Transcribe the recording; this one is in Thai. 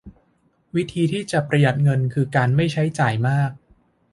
วิธีที่จะประหยัดเงินคือการไม่ใช้จ่ายมาก